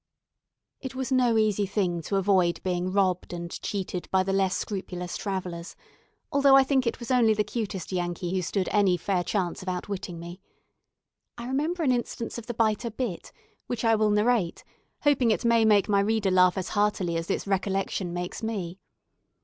It was no easy thing to avoid being robbed and cheated by the less scrupulous travellers; although I think it was only the 'cutest Yankee who stood any fair chance of outwitting me. I remember an instance of the biter bit, which I will narrate, hoping it may make my reader laugh as heartily as its recollection makes me.